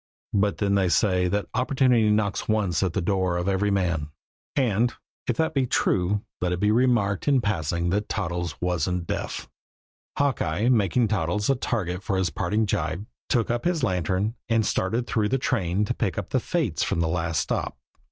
But then they say that opportunity knocks once at the door of every man; and, if that be true, let it be remarked in passing that Toddles wasn't deaf! Hawkeye, making Toddles a target for a parting gibe, took up his lantern and started through the train to pick up the fates from the last stop.